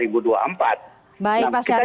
baik pak syarif